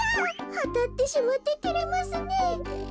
あたってしまっててれますねえ。